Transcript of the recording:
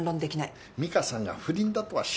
美香さんが不倫だとは知らなかった。